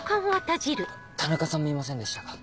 田中さん見ませんでしたか？